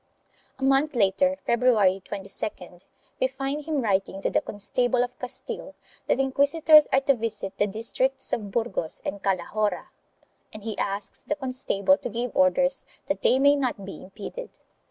A month later,, February 22d, we find him writing to the constable of Castile that inquisitors are to visit the districts of Burgos and Calahorra, and he asks the constable to give orders that they may not be impeded.